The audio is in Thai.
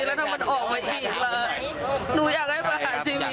แล้วถ้ามันออกมาอีกล่ะหนูอยากได้ประหารชีวิต